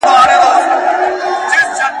يو ښار دوه نرخه.